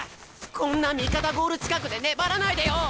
こんな味方ゴール近くで粘らないでよ！